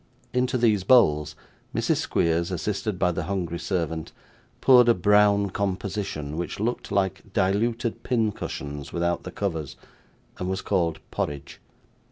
Into these bowls, Mrs. Squeers, assisted by the hungry servant, poured a brown composition, which looked like diluted pincushions without the covers, and was called porridge.